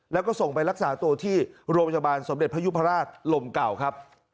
แล้วก็ส่งไปรักษาตัวที่โรงพยาบาลสมเด็จพยุพราชลมเก่าครับ